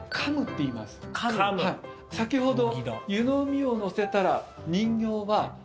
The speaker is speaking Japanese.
先ほど。